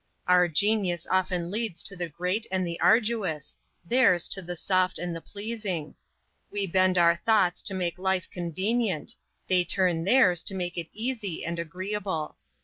Our genius often leads to the great and the arduous; theirs to the soft and the pleasing; we bend our thoughts to make life convenient; they turn theirs to make it easy and agreeable.